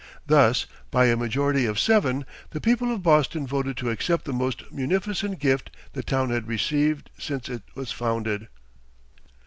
Thus, by a majority of seven, the people of Boston voted to accept the most munificent gift the town had received since it was founded.